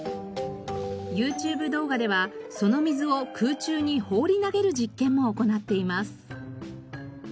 ＹｏｕＴｕｂｅ動画ではその水を空中に放り投げる実験も行っています。